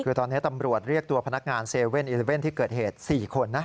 คือตอนนี้ตำรวจเรียกตัวพนักงาน๗๑๑ที่เกิดเหตุ๔คนนะ